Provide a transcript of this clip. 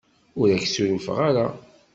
Ur ak-ssurufeɣ ara.